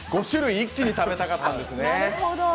５種類一気に食べたかったんですね。